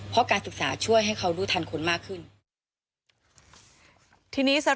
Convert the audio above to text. เพราะการศึกษาช่วยให้เขารู้ทันคนมากขึ้น